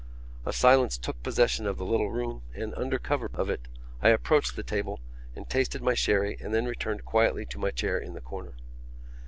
A silence took possession of the little room and, under cover of it, I approached the table and tasted my sherry and then returned quietly to my chair in the corner.